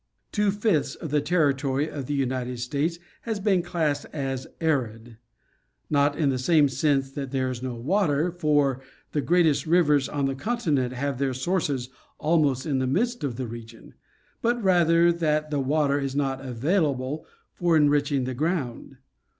T'wo fifths of the territory of the United States has been classed as arid; not in the sense that there is no water, for the greatest rivers on the continent have their sources almost in the midst of the region ; but rather that the water is not available for enriching the ground.